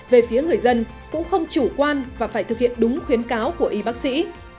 về phía người dân cũng không chủ quan và phải thực hiện đúng khuyến cáo của y bác sĩ